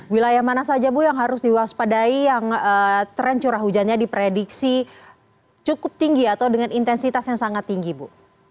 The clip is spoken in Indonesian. wilayah mana saja bu yang harus diwaspadai yang tren curah hujannya diprediksi cukup tinggi atau dengan intensitas yang sangat tinggi bu